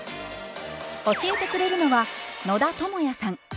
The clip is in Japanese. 教えてくれるのは野田智也さん。